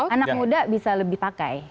anak muda bisa lebih pakai